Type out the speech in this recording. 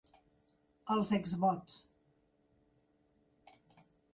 Els Exvots.